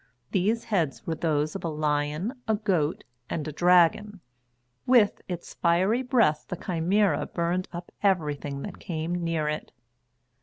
These heads were those of a lion, a goat, and a dragon. With its fiery breath the Chimæra burned up everything that came near it.